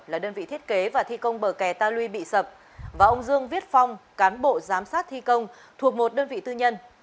là đơn vị thiết kế và thi công bờ kè ta lui bị sập và ông dương viết phong cán bộ giám sát thi công thuộc một đơn vị tư nhân